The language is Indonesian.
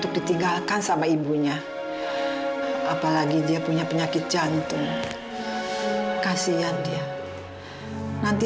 tambah pusing lagi sama urusan tanah